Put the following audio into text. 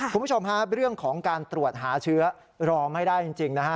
คุณผู้ชมฮะเรื่องของการตรวจหาเชื้อรอไม่ได้จริงนะฮะ